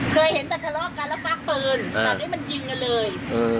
เคยเห็นแต่ทะเลาะกันแล้วฟักปืนตอนนี้มันยิงกันเลย